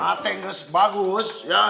hati bagus ya